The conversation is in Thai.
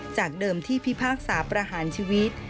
จากเดิมที่พิพากษาประหารชีวิต